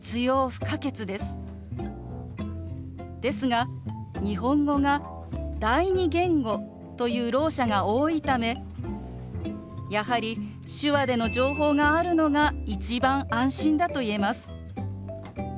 ですが日本語が第二言語というろう者が多いためやはり手話での情報があるのが一番安心だと言えます。